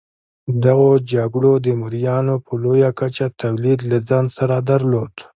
دغو جګړو د مریانو په لویه کچه تولید له ځان سره درلود.